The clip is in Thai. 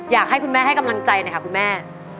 อยากให้คุณแม่ให้กำลังใจหน่อยค่ะคุณแม่